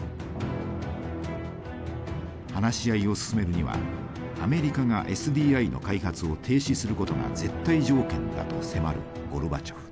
話し合いを進めるにはアメリカがＳＤＩの開発を停止することが絶対条件だと迫るゴルバチョフ。